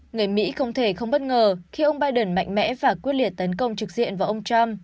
người mỹ không thể không bất ngờ khi ông biden mạnh mẽ và quyết liệt tấn công trực diện vào ông trump